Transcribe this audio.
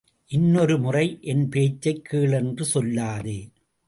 இன்னொரு முறை என் பேச்சைக் கேள் என்று சொல்லாதே!